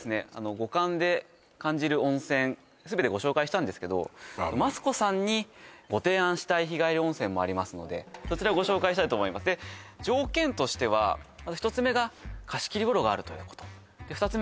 五感で感じる温泉全てご紹介したんですけどマツコさんにご提案したい日帰り温泉もありますのでそちらご紹介したいと思います条件としては１つ目が貸切風呂があるということ２つ目が景色がいい